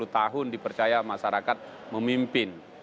sepuluh tahun dipercaya masyarakat memimpin